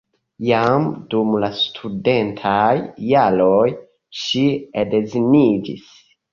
Jam dum la studentaj jaroj ŝi edziniĝis.